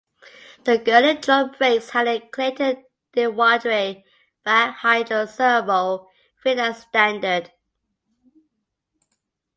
The Girling drum brakes had a Clayton Dewandre Vac Hydro Servo fitted as standard.